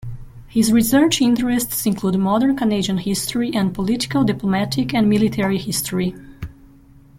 His research interests include modern Canadian history and political, diplomatic and military history.